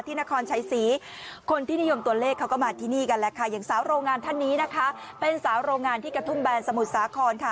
นครชัยศรีคนที่นิยมตัวเลขเขาก็มาที่นี่กันแหละค่ะอย่างสาวโรงงานท่านนี้นะคะเป็นสาวโรงงานที่กระทุ่มแบนสมุทรสาครค่ะ